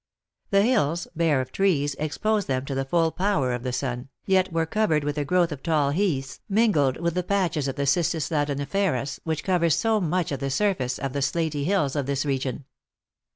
The hills, bare of trees, exposed them to the full power of the sun, yet were covered with a growth of tall heaths, mingled with patches of the cistusladaniferus, which covers so much of the surface of the slaty hills of this region.